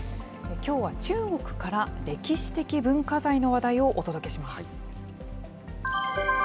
きょうは中国から、歴史的文化財の話題をお届けします。